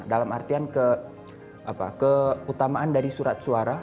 dalam artian keutamaan dari surat suara